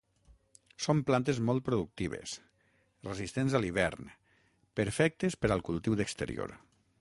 Són plantes molt productives, resistents a l'hivern, perfectes per al cultiu d'exterior.